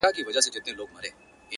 ده هم آس كړ پسي خوشي په ځغستا سو،